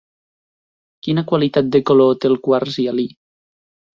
Quina qualitat de color té el quars hialí?